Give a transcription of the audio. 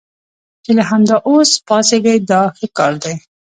چې له همدا اوس پاڅېږئ دا ښه کار دی.